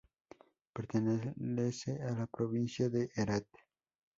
Pertenece a la provincia de Herāt.